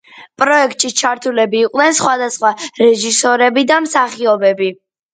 პროექტში ჩართულები იყვნენ სხვადასხვა რეჟისორები და მსახიობები.